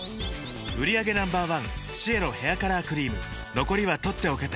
売上№１シエロヘアカラークリーム残りは取っておけて